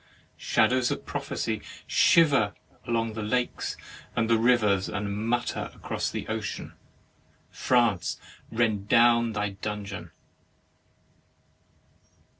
Shadows of prophecy shiver along by the lakes and the rivers, and mutter across the ocean. France, rend down thy dungeon!